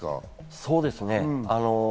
そうですね。